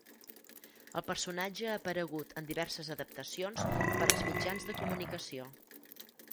El personatge ha aparegut en diverses adaptacions per als mitjans de comunicació.